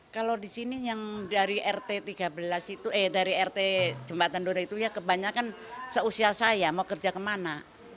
kalau di sini yang dari rt jembatan dora itu ya kebanyakan seusia saya mau kerja kemana